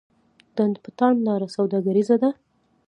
ډنډ پټان لاره سوداګریزه ده؟